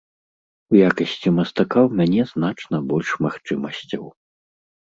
У якасці мастака ў мяне значна больш магчымасцяў.